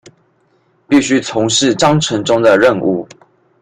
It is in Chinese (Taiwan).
必須從事章程中的任務